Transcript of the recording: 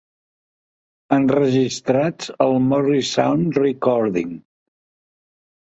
Enregistrats a Morrisound Recording.